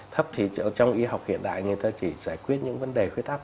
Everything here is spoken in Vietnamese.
thấp thì trong y học hiện đại người ta chỉ giải quyết những vấn đề khuyết áp